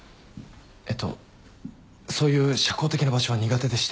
えっとそういう社交的な場所は苦手でして。